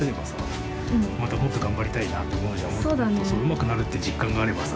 うまくなるって実感があればさ。